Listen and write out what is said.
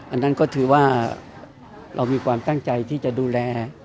อันนั้นก็ถือว่าเรามีความตั้งใจที่จะดูแล